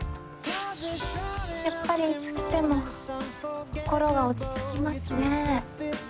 やっぱりいつ来ても心が落ち着きますね。